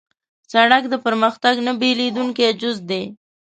سړک د پرمختګ نه بېلېدونکی جز دی.